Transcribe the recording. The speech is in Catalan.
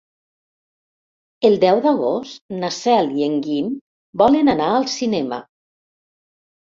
El deu d'agost na Cel i en Guim volen anar al cinema.